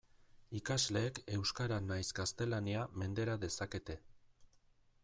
Ikasleek euskara nahiz gaztelania mendera dezakete.